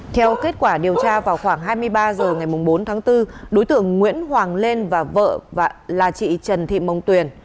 theo kết quả điều tra vào khoảng hai mươi ba h ngày bốn tháng bốn đối tượng nguyễn hoàng lên và vợ là chị trần thị mông tuyền